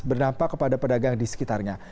bernampak kepada pedagang di sekitarnya